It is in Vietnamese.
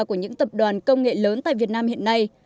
của những tập đoàn công nghệ lớn tại việt nam hiện nay